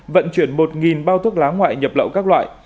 vận chuyển một bao thuốc lá ngoại nhập lậu các loại